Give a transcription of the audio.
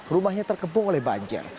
rumahnya terkepung oleh banjir